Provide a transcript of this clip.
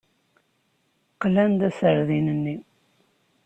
Qlan-d aserdin-nni.